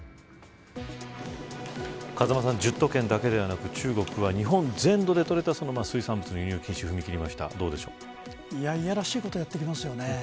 風間さん１０都県だけではなく中国は日本全土で取れた水産物の輸入禁止にいやらしいことをやってきますよね。